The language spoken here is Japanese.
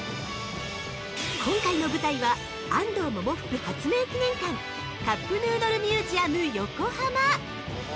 ◆今回の舞台は安藤百福発明記念館カップヌードルミュージアム横浜。